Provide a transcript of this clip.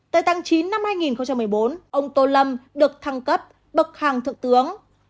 tới tháng chín năm hai nghìn một mươi bốn ông tô lâm được thăng cấp bậc hàm thượng tướng